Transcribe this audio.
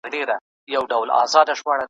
پيغمبر ص د شخصي ملکيت دفاع کړې.